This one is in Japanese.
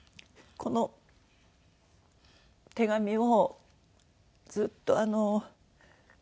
この手紙をずっとあの。